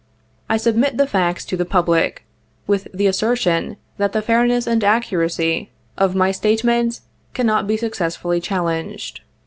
I submit the facts to the public, with the assertion that the fairness and accuracy of my statement cannot be successfully challenged.